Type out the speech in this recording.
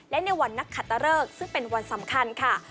และในวันนักขัตตะเริกซึ่งเป็นวันสำคัญค่ะ